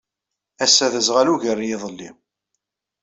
Ass-a d aẓɣal ugar n yiḍelli.